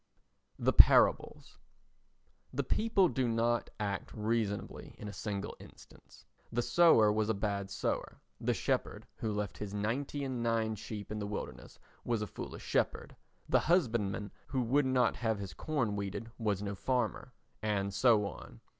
The Parables The people do not act reasonably in a single instance. The sower was a bad sower; the shepherd who left his ninety and nine sheep in the wilderness was a foolish shepherd; the husbandman who would not have his corn weeded was no farmer—and so on.